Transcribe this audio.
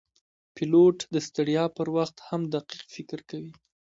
پیلوټ د ستړیا پر وخت هم دقیق فکر کوي.